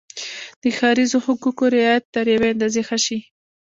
د ښاریزو حقوقو رعایت تر یوې اندازې ښه شي.